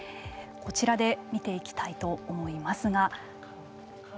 こちらで見ていきたいと思いますが。